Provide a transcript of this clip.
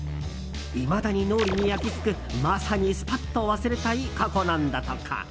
いまだに脳裏に焼き付くまさにスパッと忘れたい過去なんだとか。